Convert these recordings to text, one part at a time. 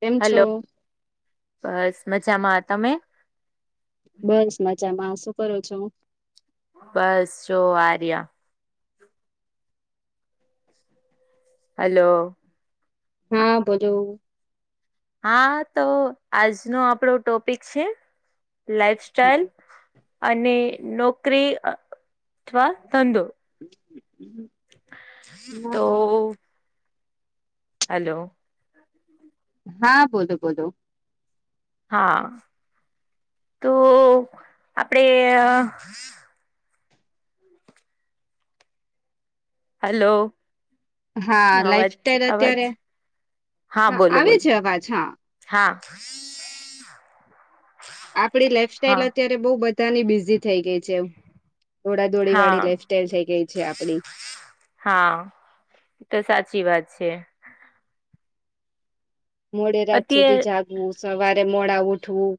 કેમ છો? હલો. બસ મજામાં. તમે? બસ મજામાં. શું કરો છો? બસ જો આ રહ્યા. હલો. હા બોલો. હા તો આજનો આપણો ટોપિક છે લાઈફ સ્ટાઈલ, અને નોકરી, અથવા ધંધો [inaudible] હા તો હલો. હા બોલો-બોલો. હા, તો આપડે હલો. હા લાઈફ સ્ટાઈલ અવાજ-અવાજ, અત્યારે હા આવે બોલો-બોલો. છે અવાજ હા હા. આપડી લાઈફસ્ટાઈલ હા અત્યારે બહું બધાની બિઝી થઈ ગઈ છે એવ. દોડા દોડી હા વાળી લાઈફસ્ટાઈલ થઈ ગઈ છે આપડી. હા, તો સાચી વાત છે. મોડે રાત સુધી અત્યારે જાગવું, સવારે મોડા ઉઠવું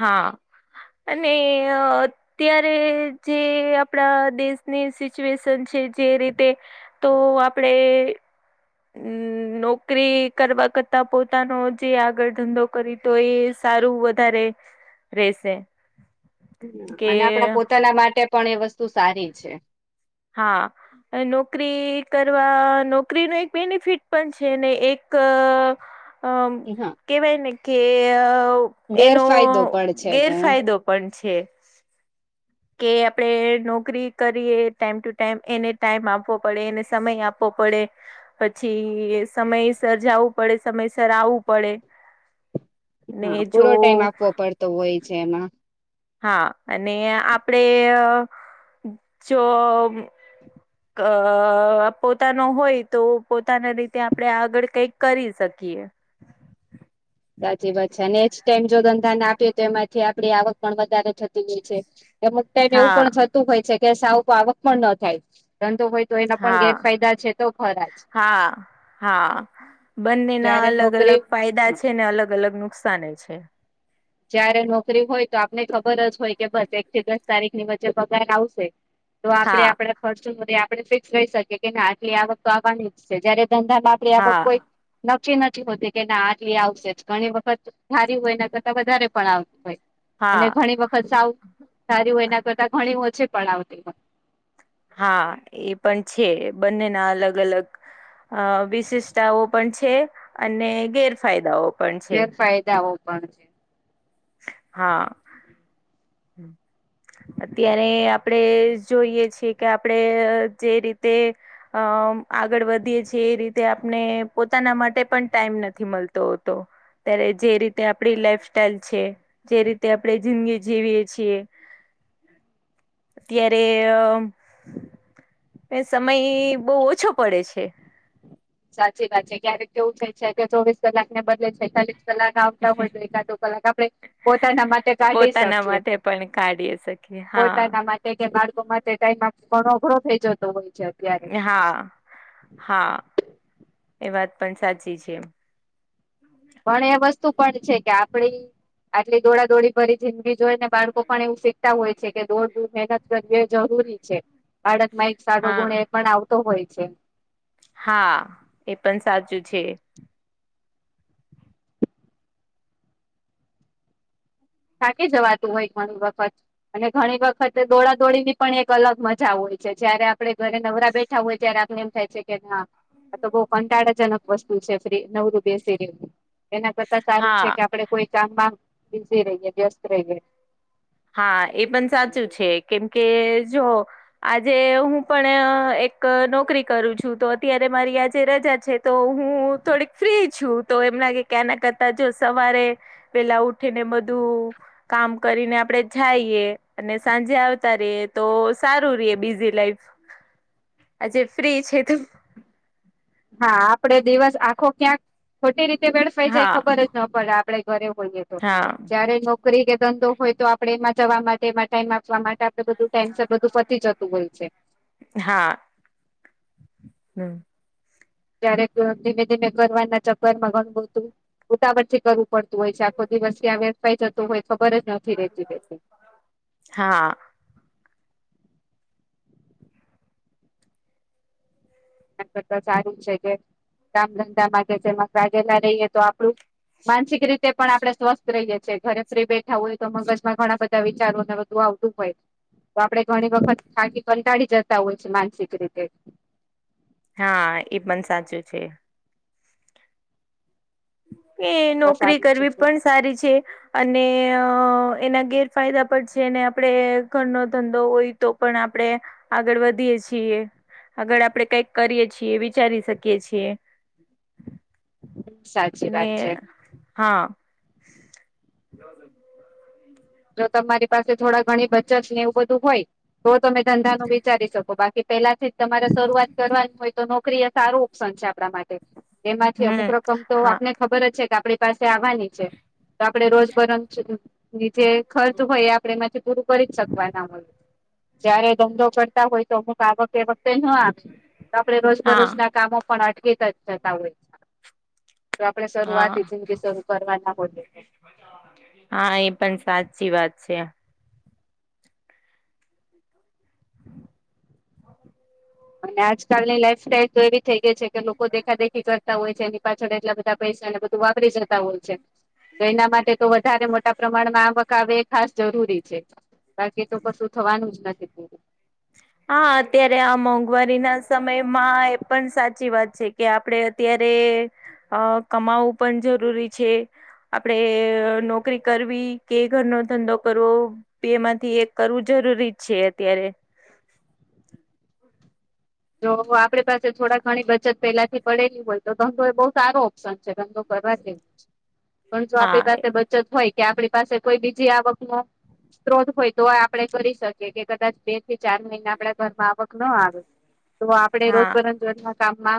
હા અને ત્યારે જે આપણા દેશની સિચ્યુએશન છે જે રીતે તો આપડે હમ્, મ નોકરી કરવા કરતા પોતાનો જે આગળ ધંધો કરી તો એ સારું વધારે રેશે. હમ્મ, અને આપડા પોતાના માટે પણ એ વસ્તુ સારી છે. હા. નોકરી કરવા નોકરી નો એક બેનિફિટ પણ છે, ને એક અહ હા કહેવાય ને કે અહ એનો ગેરફાયદો પણ છે એનો ગેરફાયદો પણ છે. કે આપડે નોકરી કરીએ ટાઈમ ટુ ટાઈમ એને ટાઈમ આપવો પડે એને સમય આપવો પડે. પછી સમયસર જવું પડે સમયસર આવું પડે ને હા જો પૂરો ટાઈમ આપવો પડતો હોય છે એમાં હા અને આપડે જો અ પોતાનો હોય તો પોતાના રીતે આપડણે આગળ કંઈક કરી શકીએ સાચી વાત છે નેક્સ્ટ ટાઈમ જો ધંધાને આપીએ તો એમાંથી આપડી આવક પણ વધારે થતી હોય છે. એમ ટાઈમ એવું હા પણ થતું હોય છે કે સાવક આવક પણ ન થાય ધંધો હોય તો એના પણ હા ગેરફાયદા છે તો ખરા જ હા હા બંનેના જયારે અલગ નોકરી અલગ ફાયદા છે ને અલગ અલગ નુકસાને છે. જયારે નોકરી હોય તો આપને ખબર જ હોય કે બસ એક થી દસ તારીખ ની વચ્ચે પગાર આવશે. તો આપડણે હા આપડા ખર્ચો આપણે ફિક્સ કરીહી શકીએ કે ના આટલી આવક તો આવવાની જ છે જયારે ધંધામાં ક કોઈ હા નક્કી નથી હોતી કે ના આટલી આવશે જ ઘણી વખત ધારી હોય એના કરતાં વધારે પણ આવતી હો હા અને ઘણી વખત સાવું સારી હો એના કરતા ઘણી ઓછે પણ આવતી હોય હા એ પણ છે બંનેના અલગ અલગ અ વિશેષતાઓ પણ છે, અને ગેરફાયદાઓ. પણ છે ગેરફાયદાઓ પણ છે, હા, હું. અત્યારે આપણે જોઈએ છીએ, કે આપડે જે રીતે અ આગળ વધીએ છીએ, એ રીતે આપને પોતાના માટે પણ ટાઈમ નથી, મલતો હતો. ત્યારે જે રીતે આપડી લાઈફ સ્ટાઈલ છે, જે રીતે આપડી જિંદગી જીવીએ છીએ, અત્યારે એ સમય બહુ ઓછો પડે છે. સાચી વાત છે, ક્યારેક કેવું છે, કે ચોવીસ કલાક ને બદલે છે, છેતાલીસ કલાક. આવતા હોય તો એકાદો કલાક આપણે પોતાના માટે કાઢી પોતાના શકીએ. માટે પણ કાઢી હા, ના માટે કે બાળકો માટે ટાઈમ આપવનો અધરો થઈ જતો હોય છે અત્યારે હા હા એ વાત પણ સાચી છે, પણ એ વસ્તુ પણ છે, કે આપડી આટલી દોડા દોડી ભરી જિંદગી જોઈ ને બાળકો પણ એવું શીખતા હોય છે, કે દોડ દૂર મહેનત કરવી એ જરૂરી છે. બાળક માં એક સારો હા ગુણ એ પણ આવતો હોય છે, હા એ પણ સાચું છે, થાકી જવાતું હોય ઘણી વખત, અને ઘણી વખત દોડા દોડી ની પણ એક અલગ મજા હોય છે, જયારે આપડે ઘરે નવરા બેઠા હોય ત્યારે આપને એમ થાય છે, કે ના તો બઉ કંટાળ અચાનક વસ્તુ છે, ફી નવરૂ બેસી રહેવું એના કરતા સારું છે, હા કે આપડે કોઈ કામમાં. બે [unintelligible] વાગ્યે વ્યસ્ત રહી ગઈ. હા એ પણ સાચું છે, કેમકે જો આજે હું પણ એક નોકરી કરું છું, તો અત્યારે મારી આજે રજા છે. તો હું થોડીક ફ્રી છું તો એમ ક્યાં ના કરતા જો સવારે પેલા ઉઠીને બધું કામ કરીને આપડે જાઈએ અને સાંજે આવતા રહીએ તો સારું રે બીઝી લાઈફ, આજે ફ્રી છે, તો હા આપડે દિવસ આખો ક્યાંક ખોટી રીતે વેડફાઈ જાય હા ખબર, તો પણ આપડે ઘરે હોઈએ, તો હા જ્યારે લો નોકરી કે ધંધો હોય તો આપણે એમાં જવા માટે એમાં ટાઈમ આપવા માટે આપે બધું ટેન્સ બધું પતી જતું હોય છે. હા, હું ક્યારેક ધીમે ધીમે કરવાના ચક્કર માં ઘણું બધું ઉતાવટ થી કરવું પડતું હોય છે, આખો દિવસથી આ વેડફાય જતો હોય ખબર જ નથી રેતી. હા. સારું છે, કામ ધંધામાં કાયૅતા રહીએ તો આપડું માનસિક રીતે તે પણ આપણે સ્વસ્થ રહીએ છીએ, ઘરે ફ્રી બેઠા હોય તો મગજમાં ઘણા બધા વિચારો ને બધું આવતું હોય. તો આપડે ઘણી વખત થાકી કંટાળી જતા હોય છે, માનસિક રીતે હા એ પણ સાચું છે. એ નોકરી સારું છે કરવી તો પણ સારી છે. અને એના ગેરફાયદા પર છે, ને આપણે ઘરનો ધંધો હોય તો પણ આપણે આગળ વધીએ છીએ, આગળ આપણેે કંઈક કરીએ છીએ વિચારી શકીએ છીએ. સાચું અને હા [inaudible] જો તમારી પાસે થોડા ઘણી બચત ને એવું બધું હોય તો તમે ધંધા નું વિચારી શકો બાકી કે પેલાથી જ તમારે શરૂઆત કરવાની હોય તો નોકરી એ સારું ઓપ્શન છે આપણા માટે તેમાંથી હમ અમુક રકમ તો હા આપને ખબર જ છે કે આપડે પાસે આવવાની છે તો આપડે રોજ બરોજ રીતે ખર્ચ હોય એ આપણે એમાંથી પૂરું કરી જ શકવાના હોય જયારે ધંધો કરતા હોય તો અમુક આવક એ વખતે ન આપ તો આપણે રોજ બરોજ હા ના કામો પણ અટવીતા જતા હોય છે તો આપણેે હા શરૂઆતી જિંદગી શરૂ કરવા ના હો તો [inaudible] હા એ પણ સાચી વાત છે. અને આજકાલની લાઈફ સ્ટાઈલ તો એવી થઈ ગઈ છે કે લોકો દેખાદેખી કરતા હોય છે એની પાછળ એટલા બધા પૈસા ને બધું વાપરી જતા હોય છે. તો એના માટે તો વધારે મોટા પ્રમાણમાં આવક આવે એ ખાસ જરૂરી છે. બાકી તો કશું થવાનું જ નથી હા અત્યારે આ મોંઘવારી ના સમયમાં એ પણ સાચી વાત છે. કે આપણે અત્યારે અ કમાવવું પણ જરૂરી છે. આપડે નોકરી કરવી કે ઘરનો ધંધો કરવો બેમાંથી એક કરવું જરૂરી છે અત્યારે [inaudible] જો આપડે પાસે થોડા ઘણી બચત પેલાથી પડેલી હોય તો ધંધો એ બહુ સારો ઓપ્શન છે ધંધો કરવા [inaudible] પણ જો આપણી હા પાસે બચત હોય કે આપણી પાસે કોઈ બીજી આવક નું સ્ત્રોત હોય તો આપણે કરી શકીએ કે કદાચ બે થી ચાર મહિના આપડા ઘર માં આવક ન આવે તો આપણે રોજ હા બરોજ કામમા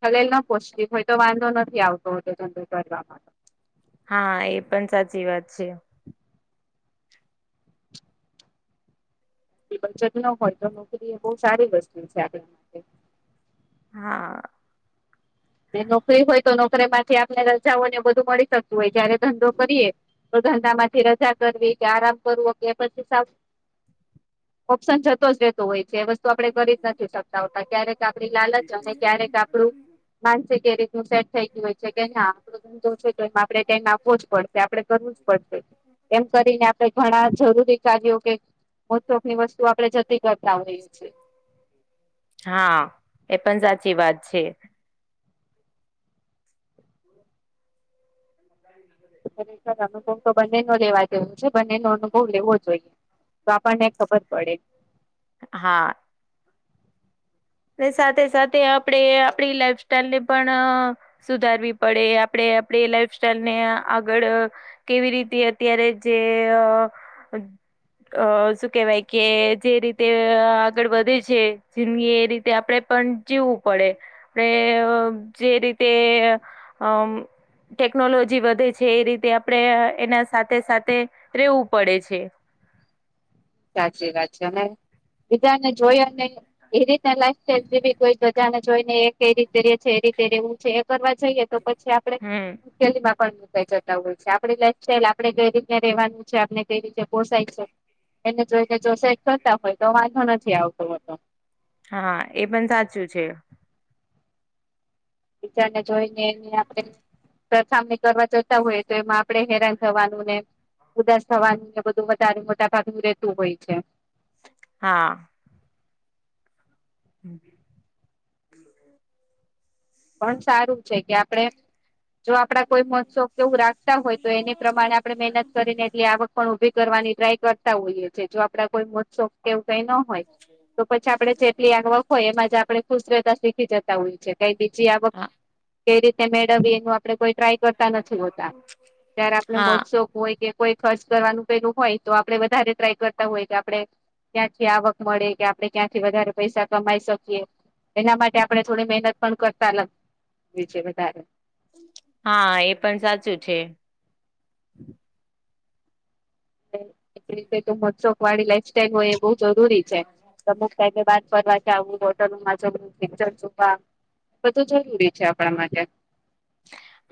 ખલેલ ન પોચતી હોય તો વાંધો નથી આવતો હોતો ધંધો કરવાવામાં. હા એ પણ સાચી વાત છે. બચત ન હોય તો નોકરી એ બહુ સારી વસ્તુ છે આપણે હા નોકરી હોય તો નોકરી માંથી આપને રજાઓ ને બધું મળી શકતું હોય જયારે ધંધો કરીએ ધંધા માંથી રજા કરવી કે આરામ કરવો કે પછી ઓપ્શન જતો જ રે હોય છે એ વસ્તુ આપણે કરી જ નથી શકતા હોતા ક્યારેક આપણી લાલચ અને ક્યારેક આપણું માનસિક એ રીતનું સેટ થઈ ગયું હોય છે કે ના આપ ધંધો તો એ આપમ ના આપવો જ પડે આપણે કરવું જ પડશે એમ કરીને આપણે ઘણા જરૂરી કાર્યો કે મોસ્ટ ઓફલી વસ્તુ આપણે જતી કરતા હોએ છે. હા એ પણ સાચી વાત છે. [inaudible] ખરે સર અનુભવ તો બંને ન લેવા જેવું છે બંનેનો અનુભવ લેવો જોઈએ. તો આપણને ખબર પડે, હા અને સાથે સાથે આપડે આપડી લાઈફ સ્ટાઈલ ને પણ સુધારવી પડે આપણે આપડી લાઈફ સ્ટાઈલ ને આગળ કેવી રીતે અત્યારે જે અ શું કેવાય કે જે રીતે આગળ વધે છે જે એ રી તે આપડે પણ જીવવું પડે. એ જે રીતે અમ ટેકનોલોજી વધે છે એ રીતે આપડણે એના સાથે સાથે રેવું પડે છે. સાચી વાત છે અને બીજા ને જોઈને એ રીતે લાઈફ સાઈલ જેી કોઈ બધાને જોઈ ને એ રીતે રે છે એ રીતે રેવું છે એ કરવા જોઈએ તો પછી આપડે હમ માં પણ મુકાઈ જતા હોય છે આપ લાઈફ સાઈલ આપણે કઈ રીતે રેવાનું છે આપને કઈ રીતે પોસાય છે. એને જોઈ કે જો સેક કરતા હોય તો વાંધો નથી આવતો હોતો હા એ પણ સાચું છે. ટીચરને જોઈ ને એને આપડે સામની કરવા જતા હોય તો એમાં આપડે હેરાન થવાનું ને ઉદાસ થવાનું બધું મા મોટાકાતું રેતું હોય છે. હા હમ પણ સારું છે કે આપડે જો આપડા કોઈ મહોત્સવ જેવું રાખતા હોય તો એને પ્રમાણે આપણે મહેનત કરીને એટલી આવક પણ ઉભી કરવાની ટ્રાય કરતા હોઈએ છ છે જો આપડા કોઈ મોસો કેવું કઈ ન તો પછી આપણે જેટલી આવક હોય એમાં જ આપણે કુશરતા શીખી જતા હોય છે કઈ બી હા કઈ રીતે મેળવી એનું આપડે કોઈ ટ્રાય કર તા નથી હોતા ત્યારે આપણે હા મહોત્સવ હોય કે કોઈ ખર્ચ કરવાનું પેલું હોય તો આપડે વધારે ટ્રાય કરતા હોય કે આપણે ક્યાંથી આવક મળે કે આપડણે ક્યાંથી વધારે પૈસા કમાઈ શકીએ એના માટે આપણે થોડી મહેનત પણ કરતા અલગ છે વધારે હા એ પણ સાચું છે. એ રીતેસોક વાળી લાઈફ સ્ટાઈલ હોય એ બહ જરૂરી છે. અમુક ક બાદ ફરવા કે આવું હોટલ જવુ, પિક્ચર જોવા. બધું જરૂરી છે આપણા માટે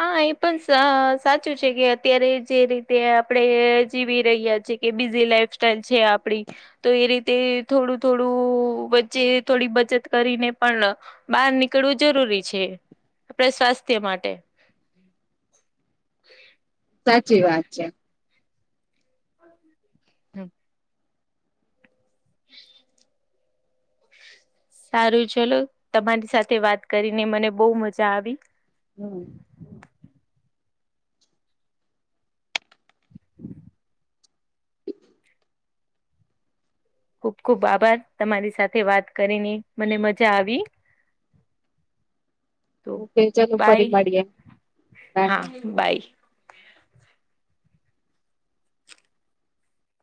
હા એ પણ સાચું છે કે અત્યારે જે રીતે આપણે જીવી રહ્યા છીએ. કે બીઝી લાઈફ સ્ટાઈલ છે આપડી તો એ રીતે થોડું થોડું વચ્ચે થોડી બચત કરીને પણ બહાર નીકળવું જરૂરી છે આપડા સ્વાસ્થ્ય માટે. હમ સાચી વાત છે. હમ્મ સારું ચલો તમારી સાથે વાત કરીને મને બહ મજા આવી હમ ખુબ ખુબ આભાર તમારી સાથે વાત કરીને મને મજા આવી. તો કે ચલો બઈ ફરી મળીએ બાય. હા બઈ